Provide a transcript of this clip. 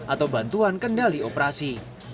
atau bantuan kendali operasi